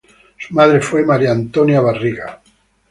Su madre fue María Antonia Barriga.